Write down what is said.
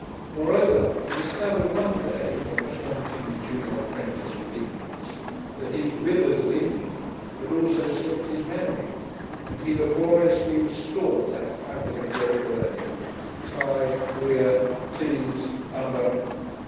Moreover, he discovered one day, while taunting the junior apprentice with ignorance, that his "rivers of England" had also slipped his memory, and he laboriously restored that fabric of rote learning: "Ty Wear Tees 'Umber...."